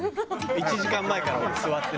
１時間前から俺座って。